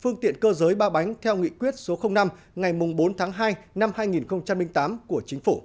phương tiện cơ giới ba bánh theo nghị quyết số năm ngày bốn tháng hai năm hai nghìn tám của chính phủ